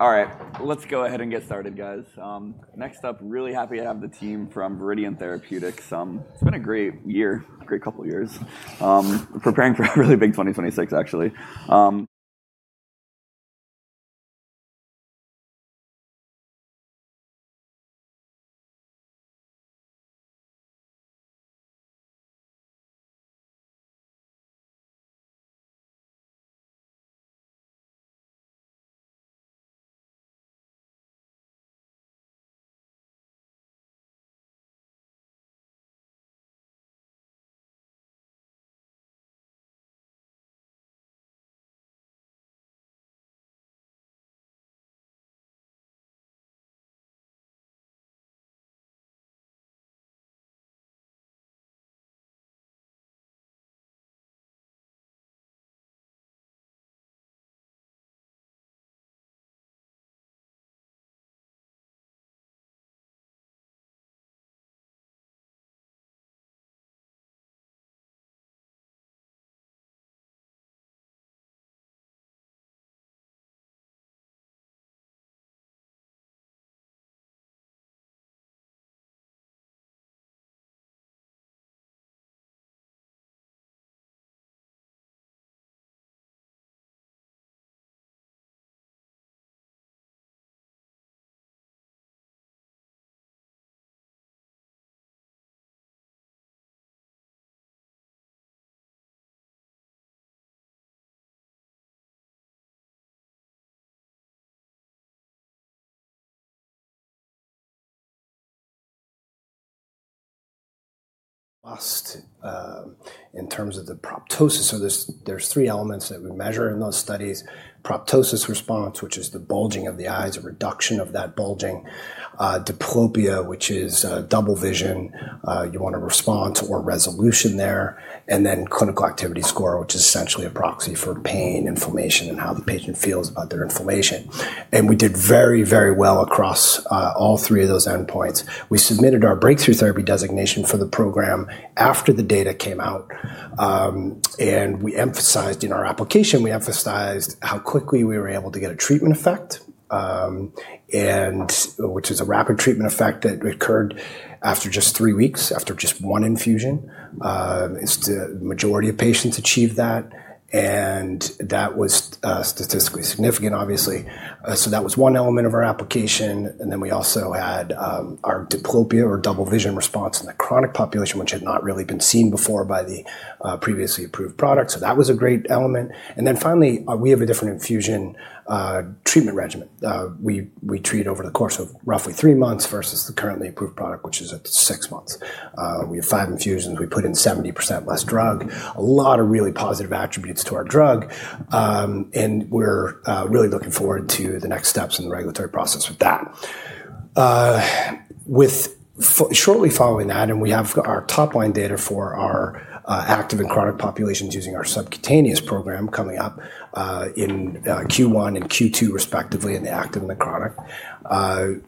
All right, let's go ahead and get started, guys. Next up, really happy to have the team from Viridian Therapeutics. It's been a great year, great couple of years. Preparing for a really big 2026, actually. Lost, in terms of the proptosis. So there's three elements that we measure in those studies: proptosis response, which is the bulging of the eyes, a reduction of that bulging; diplopia, which is double vision, you want to respond to, or resolution there; and then clinical activity score, which is essentially a proxy for pain, inflammation, and how the patient feels about their inflammation. And we did very, very well across all three of those endpoints. We submitted our Breakthrough Therapy Designation for the program after the data came out. And we emphasized in our application how quickly we were able to get a treatment effect, which is a rapid treatment effect that occurred after just three weeks, after just one infusion. It's the majority of patients achieved that, and that was statistically significant, obviously. That was one element of our application. We also had our diplopia or double vision response in the chronic population, which had not really been seen before by the previously approved product. That was a great element. Finally, we have a different infusion treatment regimen. We treat over the course of roughly three months versus the currently approved product, which is at six months. We have five infusions. We put in 70% less drug, a lot of really positive attributes to our drug. And we're really looking forward to the next steps in the regulatory process with that. With shortly following that, and we have our top line data for our active and chronic populations using our subcutaneous program coming up in Q1 and Q2, respectively, in the active and the chronic.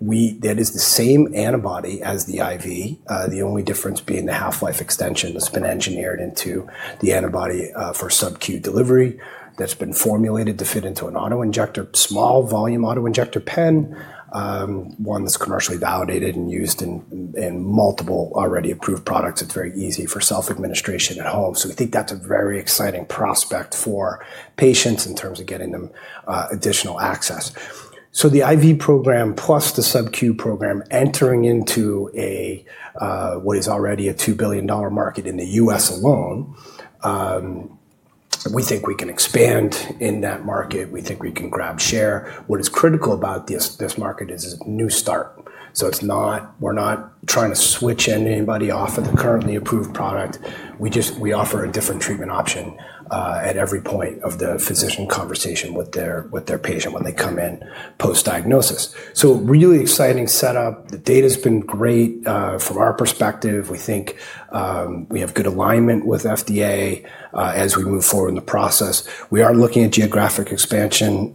We, that is the same antibody as the IV, the only difference being the half-life extension that's been engineered into the antibody for subcu delivery that's been formulated to fit into an auto injector, small volume auto injector pen, one that's commercially validated and used in multiple already approved products. It's very easy for self-administration at home. So we think that's a very exciting prospect for patients in terms of getting them additional access. So the IV program plus the subcu program entering into a, what is already a $2 billion market in the U.S. alone, we think we can expand in that market. We think we can grab share. What is critical about this, this market is a new start. So it's not, we're not trying to switch anybody off of the currently approved product. We just, we offer a different treatment option, at every point of the physician conversation with their, with their patient when they come in post-diagnosis. So really exciting setup. The data's been great, from our perspective. We think, we have good alignment with FDA, as we move forward in the process. We are looking at geographic expansion.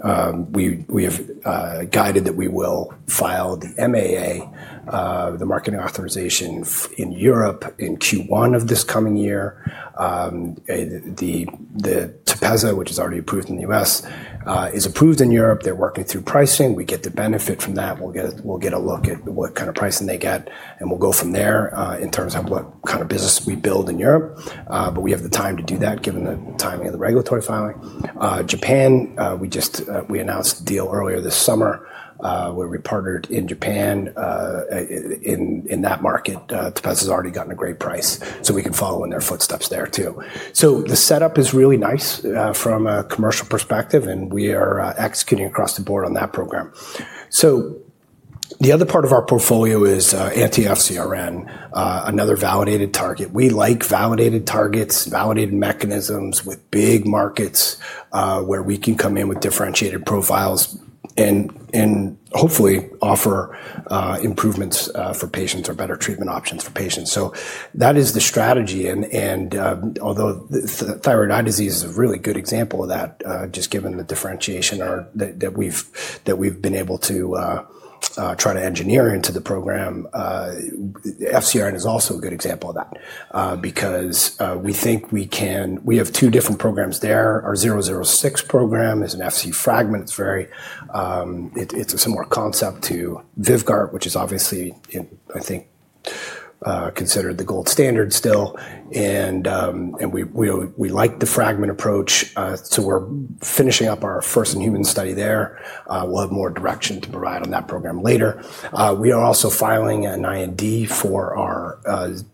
We, we have guided that we will file the MAA, the marketing authorization in Europe in Q1 of this coming year. The TEPEZZA, which is already approved in the U.S., is approved in Europe. They're working through pricing. We get the benefit from that. We'll get a look at what kind of pricing they get, and we'll go from there, in terms of what kind of business we build in Europe. But we have the time to do that given the timing of the regulatory filing. Japan, we just announced a deal earlier this summer, where we partnered in Japan, in that market. TEPEZZA's already gotten a great price, so we can follow in their footsteps there too. So the setup is really nice, from a commercial perspective, and we are executing across the board on that program. So the other part of our portfolio is anti-FcRn, another validated target. We like validated targets, validated mechanisms with big markets, where we can come in with differentiated profiles and hopefully offer improvements for patients or better treatment options for patients. So that is the strategy. And although thyroid eye disease is a really good example of that, just given the differentiation that we've been able to try to engineer into the program, FcRn is also a good example of that, because we think we can. We have two different programs there. Our 006 program is an Fc fragment. It's a similar concept to Vyvgart, which is obviously, I think, considered the gold standard still. And we like the fragment approach. We're finishing up our first in human study there. We'll have more direction to provide on that program later. We are also filing an IND for our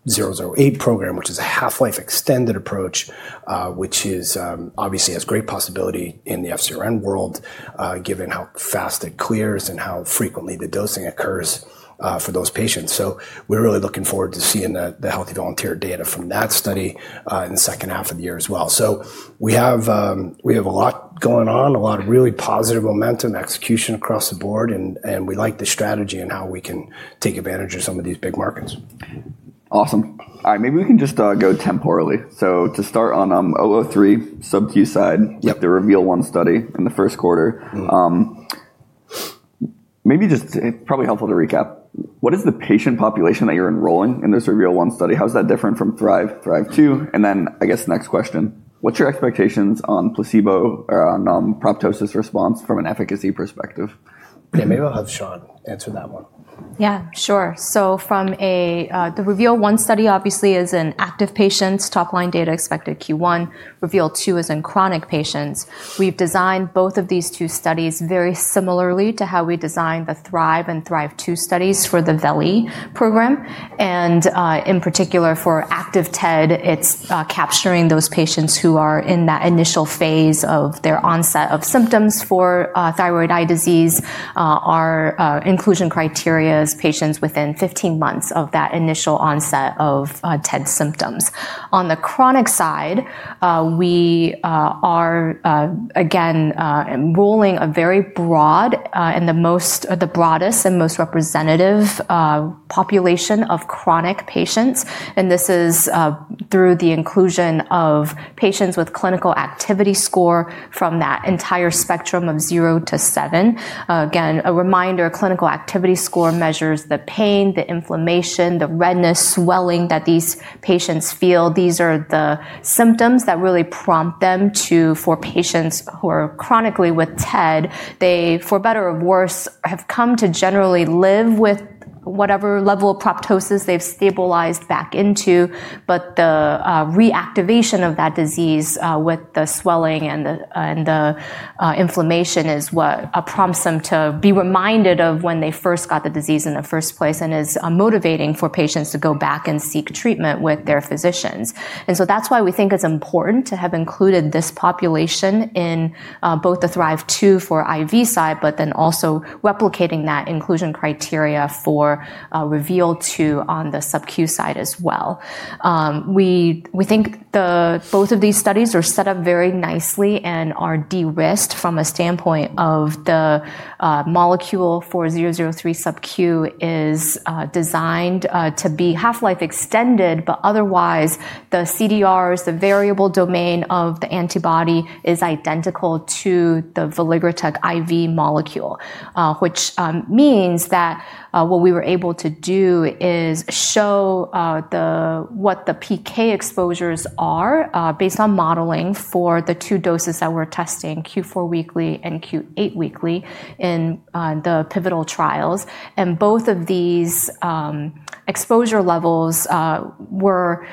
008 program, which is a half-life extended approach, which is obviously has great possibility in the FCRN world, given how fast it clears and how frequently the dosing occurs for those patients. So we're really looking forward to seeing the healthy volunteer data from that study in the second half of the year as well. So we have a lot going on, a lot of really positive momentum execution across the board. And we like the strategy and how we can take advantage of some of these big markets. Awesome. All right, maybe we can just go temporally. So to start on 003 subcu side. Yep. The REVEAL-1 study in the first quarter. Mm-hmm. Maybe just, it's probably helpful to recap. What is the patient population that you're enrolling in this REVEAL-1 study? How's that different from THRIVE, THRIVE-2? And then I guess next question, what's your expectations on placebo or on proptosis response from an efficacy perspective? Yeah, maybe I'll have Shan answer that one. Yeah, sure. So from a the REVEAL-1 study obviously is in active patients, top line data expected Q1. REVEAL-2 is in chronic patients. We've designed both of these two studies very similarly to how we design the THRIVE and THRIVE-2 studies for the veligrotug program. And in particular for active TED, it's capturing those patients who are in that initial phase of their onset of symptoms for thyroid eye disease. Our inclusion criteria is patients within 15 months of that initial onset of TED symptoms. On the chronic side, we are again enrolling a very broad and the broadest and most representative population of chronic patients. And this is through the inclusion of patients with Clinical Activity Score from that entire spectrum of zero to seven. Again, a reminder, Clinical Activity Score measures the pain, the inflammation, the redness, swelling that these patients feel. These are the symptoms that really prompt them to, for patients who are chronically with TED, they, for better or worse, have come to generally live with whatever level of proptosis they've stabilized back into. But the reactivation of that disease, with the swelling and the inflammation, is what prompts them to be reminded of when they first got the disease in the first place and is motivating for patients to go back and seek treatment with their physicians. So that's why we think it's important to have included this population in both the THRIVE-2 for IV side, but then also replicating that inclusion criteria for REVEAL-2 on the subcu side as well. We think both of these studies are set up very nicely and are de-risked from a standpoint of the molecule for 003 subcu, which is designed to be half-life extended, but otherwise the CDRs, the variable domain of the antibody, is identical to the veligrotug IV molecule, which means that what we were able to do is show what the PK exposures are, based on modeling for the two doses that we're testing, Q4 weekly and Q8 weekly in the pivotal trials, and both of these exposure levels were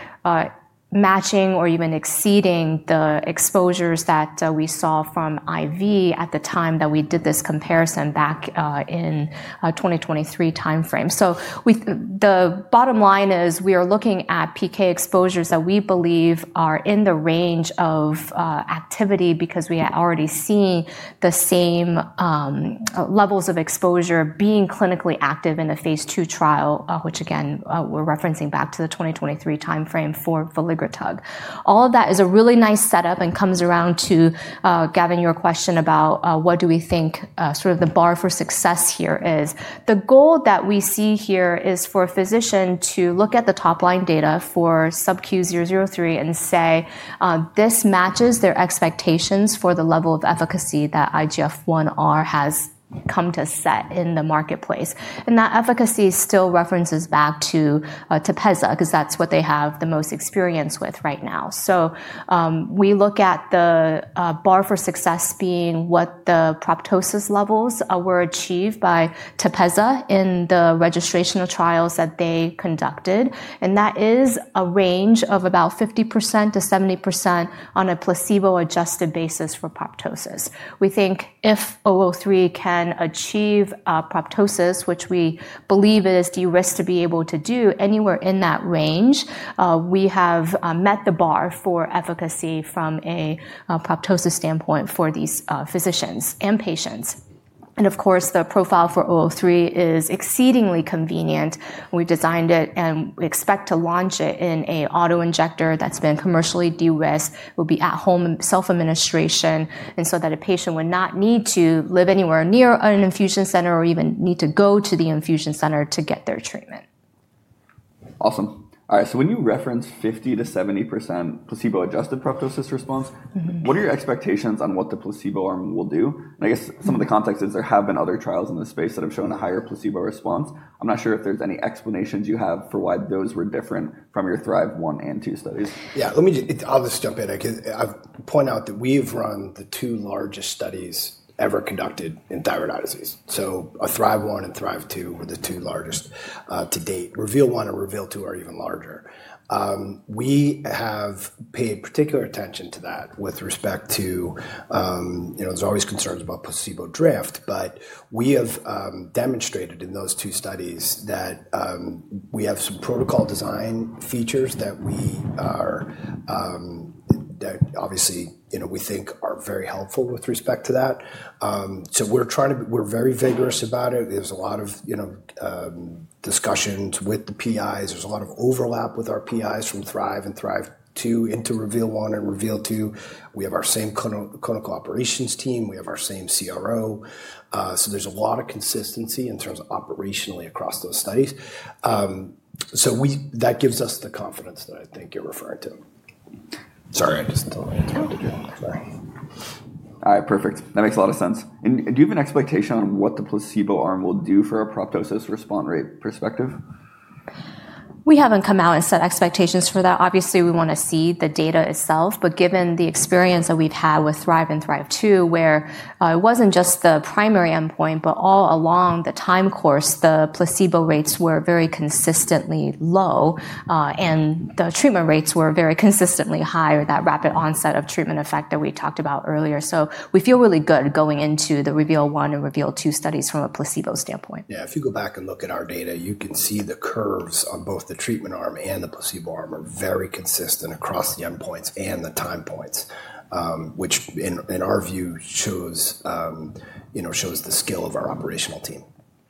matching or even exceeding the exposures that we saw from IV at the time that we did this comparison back in the 2023 timeframe. So we, the bottom line is we are looking at PK exposures that we believe are in the range of activity because we had already seen the same levels of exposure being clinically active in a phase two trial, which again, we're referencing back to the 2023 timeframe for veligrotug. All of that is a really nice setup and comes around to, Gavin, your question about, what do we think, sort of the bar for success here is. The goal that we see here is for a physician to look at the top line data for subcu 003 and say, this matches their expectations for the level of efficacy that IGF-1R has come to set in the marketplace, and that efficacy still references back to TEPEZZA 'cause that's what they have the most experience with right now. We look at the bar for success being what the proptosis levels were achieved by TEPEZZA in the registration trials that they conducted. That is a range of about 50%-70% on a placebo-adjusted basis for proptosis. We think if 003 can achieve proptosis, which we believe it is de-risked to be able to do anywhere in that range, we have met the bar for efficacy from a proptosis standpoint for these physicians and patients. Of course, the profile for 003 is exceedingly convenient. We designed it and we expect to launch it in an auto injector that's been commercially de-risked. It will be at home self-administration and so that a patient would not need to live anywhere near an infusion center or even need to go to the infusion center to get their treatment. Awesome. All right. So when you reference 50%-70% placebo-adjusted proptosis response, what are your expectations on what the placebo arm will do? And I guess some of the context is there have been other trials in this space that have shown a higher placebo response. I'm not sure if there's any explanations you have for why those were different from your THRIVE-1 and THRIVE-2 studies. Yeah, let me. I'll just jump in. I can point out that we've run the two largest studies ever conducted in thyroid eye disease, so THRIVE-1 and THRIVE-2 were the two largest to date. REVEAL-1 and REVEAL-2 are even larger. We have paid particular attention to that with respect to, you know, there's always concerns about placebo drift, but we have demonstrated in those two studies that we have some protocol design features that we are, that obviously, you know, we think are very helpful with respect to that, so we're trying to, we're very vigorous about it. There's a lot of, you know, discussions with the PIs. There's a lot of overlap with our PIs from THRIVE and THRIVE-2 into REVEAL-1 and REVEAL-2. We have our same clinical operations team. We have our same CRO, so there's a lot of consistency in terms of operationally across those studies. That gives us the confidence that I think you're referring to. Sorry, I just don't know what I'm supposed to do. Sorry. All right, perfect. That makes a lot of sense, and do you have an expectation on what the placebo arm will do from a proptosis response rate perspective? We haven't come out and set expectations for that. Obviously, we wanna see the data itself, but given the experience that we've had with THRIVE and THRIVE-2, where, it wasn't just the primary endpoint, but all along the time course, the placebo rates were very consistently low, and the treatment rates were very consistently high or that rapid onset of treatment effect that we talked about earlier. So we feel really good going into the REVEAL-1 and REVEAL-2 studies from a placebo standpoint. Yeah, if you go back and look at our data, you can see the curves on both the treatment arm and the placebo arm are very consistent across the endpoints and the time points, which in our view shows, you know, the skill of our operational team.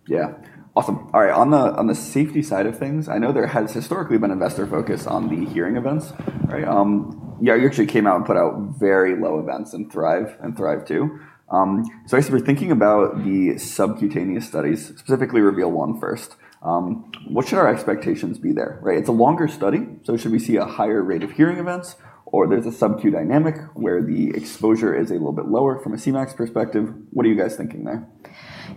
Yeah. Awesome. All right. On the, on the safety side of things, I know there has historically been investor focus on the hearing events, right? You actually came out and put out very low events in THRIVE and THRIVE-2. So I guess we're thinking about the subcutaneous studies, specifically REVEAL-1 first. What should our expectations be there, right? It's a longer study, so should we see a higher rate of hearing events or there's a subcu dynamic where the exposure is a little bit lower from a Cmax perspective? What are you guys thinking there?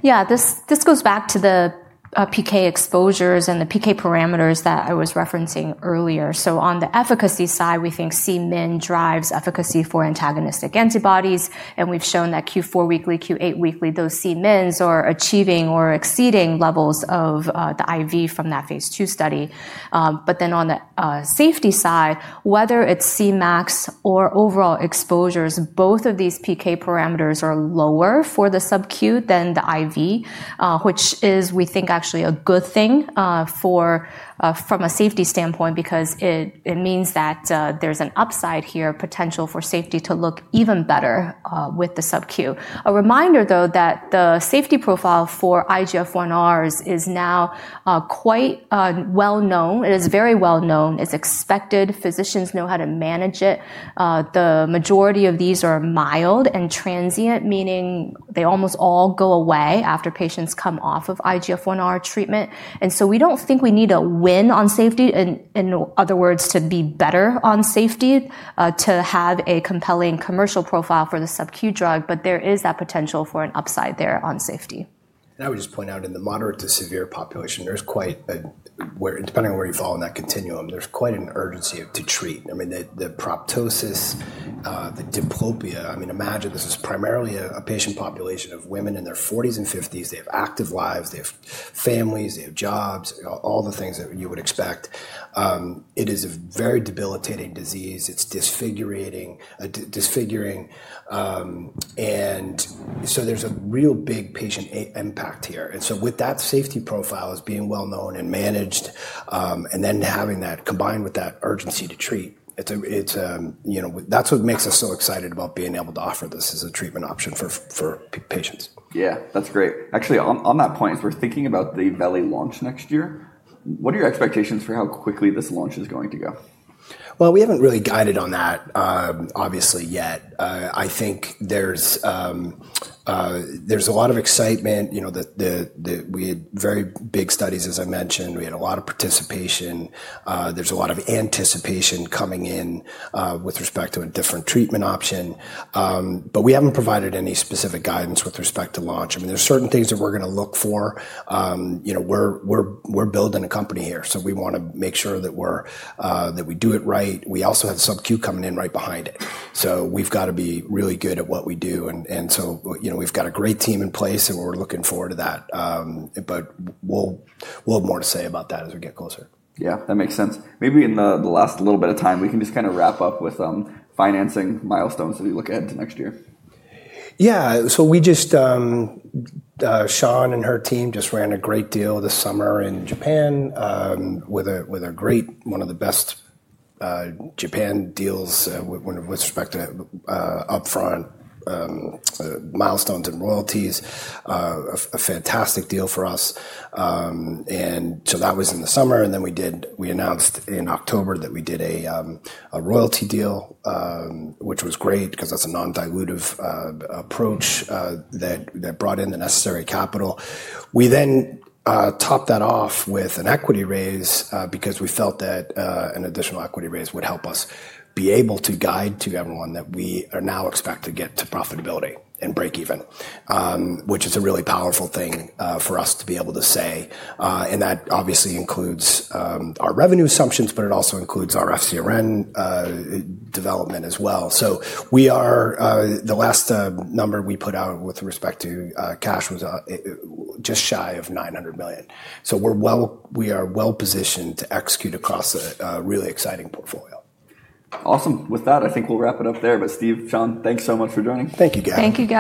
Yeah, this goes back to the PK exposures and the PK parameters that I was referencing earlier. So on the efficacy side, we think Cmin drives efficacy for antagonistic antibodies, and we've shown that Q4 weekly, Q8 weekly, those Cmins are achieving or exceeding levels of the IV from that phase II study. But then on the safety side, whether it's Cmax or overall exposures, both of these PK parameters are lower for the subcu than the IV, which is, we think, actually a good thing from a safety standpoint because it means that there's an upside potential here for safety to look even better with the subcu. A reminder though, that the safety profile for IGF-1Rs is now quite well known. It is very well known. It's expected. Physicians know how to manage it. The majority of these are mild and transient, meaning they almost all go away after patients come off of IGF-1R treatment, and so we don't think we need a win on safety. In other words, to be better on safety, to have a compelling commercial profile for the subcu drug, but there is that potential for an upside there on safety. I would just point out in the moderate to severe population, there's quite an urgency to treat, depending on where you fall on that continuum. I mean, the proptosis, the diplopia. I mean, imagine this is primarily a patient population of women in their forties and fifties. They have active lives. They have families. They have jobs. All the things that you would expect. It is a very debilitating disease. It's disfiguring, and so there's a real big patient impact here, and so with that safety profile as being well known and managed, and then having that combined with that urgency to treat, it's a, you know, that's what makes us so excited about being able to offer this as a treatment option for patients. Yeah, that's great. Actually, on, on that point, as we're thinking about the veligrotug launch next year, what are your expectations for how quickly this launch is going to go? Well, we haven't really guided on that, obviously yet. I think there's a lot of excitement, you know, that we had very big studies, as I mentioned. We had a lot of participation. There's a lot of anticipation coming in, with respect to a different treatment option. But we haven't provided any specific guidance with respect to launch. I mean, there's certain things that we're gonna look for. You know, we're building a company here, so we wanna make sure that we do it right. We also have subcu coming in right behind it. So we've gotta be really good at what we do. And so, you know, we've got a great team in place and we're looking forward to that. But we'll have more to say about that as we get closer. Yeah, that makes sense. Maybe in the last little bit of time, we can just kind of wrap up with financing milestones as we look ahead to next year. Yeah. So Shan and her team just ran a great deal this summer in Japan with one of the best Japan deals with respect to upfront, milestones and royalties, a fantastic deal for us. That was in the summer. We announced in October that we did a royalty deal, which was great 'cause that's a non-dilutive approach that brought in the necessary capital. We then topped that off with an equity raise, because we felt that an additional equity raise would help us be able to guide to everyone that we are now expect to get to profitability and break even, which is a really powerful thing for us to be able to say. That obviously includes our revenue assumptions, but it also includes our FcRn development as well. The last number we put out with respect to cash was just shy of $900 million. We're well positioned to execute across a really exciting portfolio. Awesome. With that, I think we'll wrap it up there. But Steve, Shan, thanks so much for joining. Thank you, Gavin. Thank you.